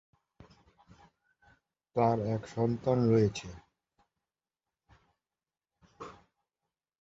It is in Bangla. তার এক সন্তান রয়েছে।